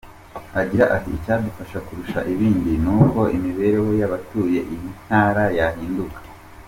Agira ati : "Icyadufasha kurusha ibindi n’uko imibereho y’abatuye iyi ntara yahinduka.